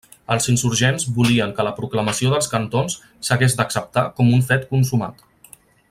Els insurgents volien que la proclamació dels cantons s'hagués d'acceptar com un fet consumat.